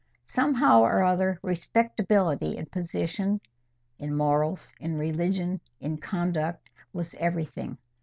Somehow or other, respectability—in position, in morals, in religion, in conduct—was everything.